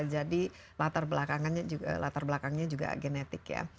jadi latar belakangnya juga genetik ya